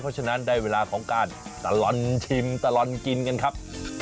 เพราะฉะนั้นได้เวลาของการตลอดชิมตลอดกินกันครับ